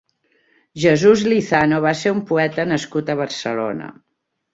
Jesús Lizano va ser un poeta nascut a Barcelona.